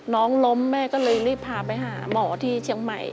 น้องล้มแม่ก็เลยรีบพาไปหาหมอที่เชียงใหม่